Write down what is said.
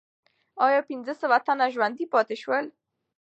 آیا پنځه سوه تنه ژوندي پاتې سول؟